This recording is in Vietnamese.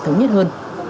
thống nhất hơn